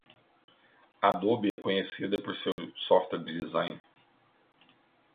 Adobe é conhecida por seu software de design.